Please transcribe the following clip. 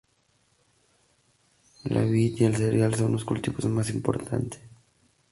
La vid y el cereal son los cultivos más importantes.